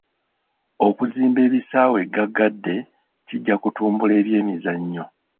Okuzimba ebisaawe ggaggadde kijja kutumbula eby'emizannyo.